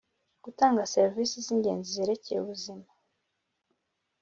Gutanga serivisi z’ingenzi zerekeye ubuzima